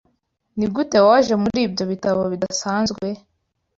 Nigute waje muri ibyo bitabo bidasanzwe?